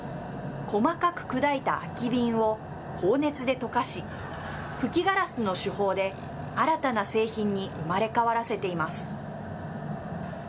細かく砕いた空き瓶を高熱で溶かし、吹きガラスの手法で新たな製品に生まれ変わらせています。